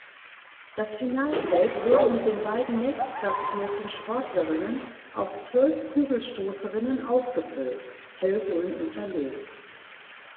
Das Finalfeld wurde mit den beiden nächstplatzierten Sportlerinnen auf zwölf Kugelstoßerinnen aufgefüllt (hellgrün unterlegt).